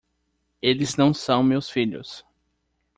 Eles não são meus filhos.